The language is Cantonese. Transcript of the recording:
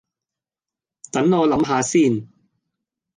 等我諗吓先